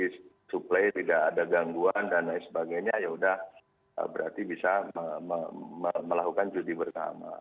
dari sisi suplai tidak ada gangguan dan lain sebagainya yaudah berarti bisa melakukan cuti bersama